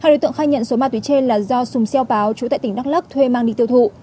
hai đối tượng khai nhận số ma túy trên là do sùng xeo páo trú tại tỉnh đắk lắc thuê mang đi tiêu thụ